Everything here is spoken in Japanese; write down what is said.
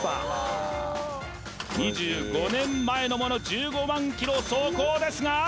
円２５年前のもの１５万キロ走行ですが？